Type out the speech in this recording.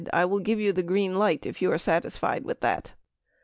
I will give you the green light if you are satisfied with that" .